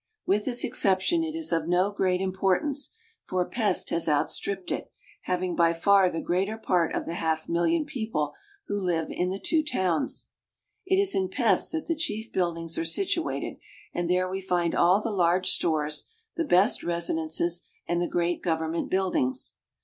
With this exception it is of no great importance, for Pest has outstripped it, having by far the greater part of the half million people who live in the two towns. It is in Pest that the chief buildings are situated, and there we find all the large stores, the best residences, and HUNGARY AND THE HUNGARIANS. 297 Suspension Bridge, Budapest. the great government buildings.